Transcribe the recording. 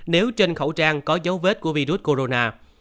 nếu trên khẩu trang có dấu vết của virus corona